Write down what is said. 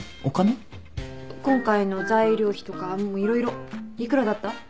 今回の材料費とか色々幾らだった？